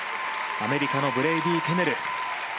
アメリカのブレイディー・テネル。